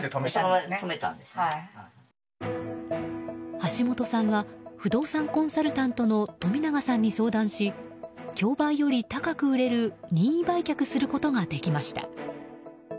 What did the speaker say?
橋本さんは不動産コンサルタントの冨永さんに相談し競売より高く売れる任意売却することができました。